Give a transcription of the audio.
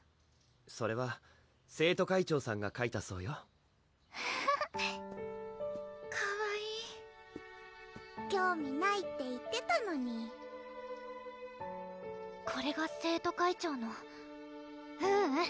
それは生徒会長さんがかいたそうよわぁかわいい興味ないって言ってたのにこれが生徒会長のううん！